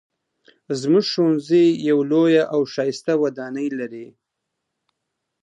زموږ ښوونځی یوه لویه او ښایسته ودانۍ لري